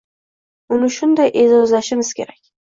Uni shunday e’zozlashimiz kerak.